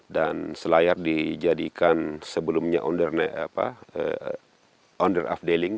dan selayar dijadikan sebelumnya under afdeling